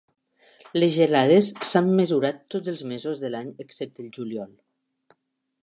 Les gelades s'han mesurat tots els mesos de l'any excepte el juliol.